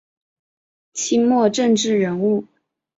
清末政治人物。